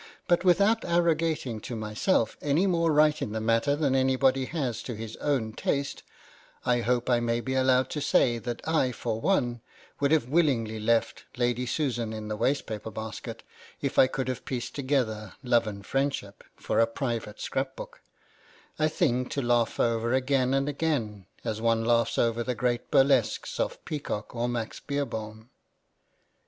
But without arrogating to myself any more right in the matter than anybody has to his own taste, I hope I may be allowed to say that I for one would have willingly left " Lady Susan " in the waste paper basket, if I could have pieced together " Love and Freindship " for a private scrap book ; a thing to laugh over again and again z £ PREFACE £ as one laughs over the great burlesques of Peacock or Max Beerbohm.